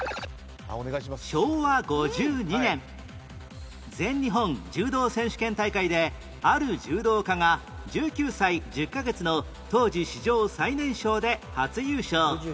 昭和５２年全日本柔道選手権大会である柔道家が１９歳１０カ月の当時史上最年少で初優勝